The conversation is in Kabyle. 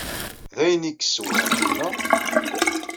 D ayen i yessewhamen, naɣ?